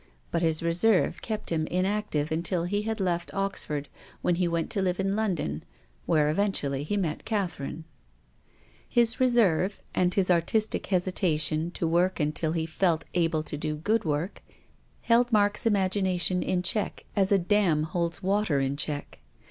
But his reserve kept him inactive until he had left Oxford, when he went to live in London, where eventually he met Cath erine. His reserve, and his artistic hesitation to work "WILLIAM FOSTER." 121 until he felt able to do good work, held Mark's imagination in check as a dam holds water in check.